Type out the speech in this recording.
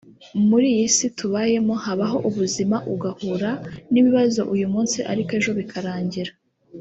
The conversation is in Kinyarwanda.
muri iyi si tubayemo habaho ubuzima ugahura n’ibibazo uyu munsi ariko ejo bikarangira